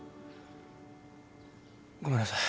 ごめんなさい。